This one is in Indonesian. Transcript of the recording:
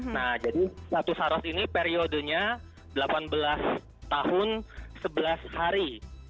nah jadi satu saros ini periodenya delapan belas tahun sebelas hari